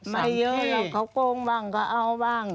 ไม่เยอะแล้วเขาโกงบ้างก็เอาบ้าง